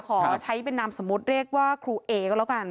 ขอใช้เป็นนามสมมุติเรียกว่าครูเอก็แล้วกัน